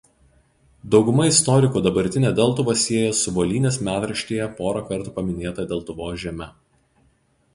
Dauguma istorikų dabartinę Deltuvą sieja su Volynės metraštyje porą kartų paminėta Deltuvos žeme.